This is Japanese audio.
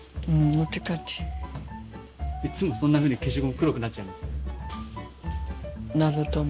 いっつもそんなふうに消しゴム黒くなっちゃいます？